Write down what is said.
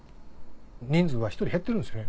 人数は１人減ってるんですよね